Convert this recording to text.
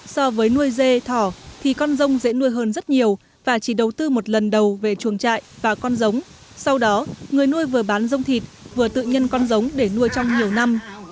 so với nuôi dê thỏ thì con rông dễ nuôi hơn rất nhiều và chỉ đầu tư một lần đầu về chuồng trại và con giống sau đó người nuôi vừa bán dông thịt vừa tự nhân con giống để nuôi trong nhiều năm